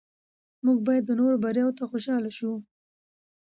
موږ باید د نورو بریاوو ته خوشحاله شو